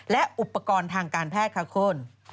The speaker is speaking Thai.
และอุปกรณ์ทางการแพทย์ค่ะคุณ